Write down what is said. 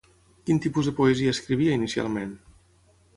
Quin tipus de poesia escrivia inicialment?